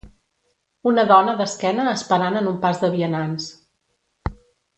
Una dona d'esquena esperant en un pas de vianants.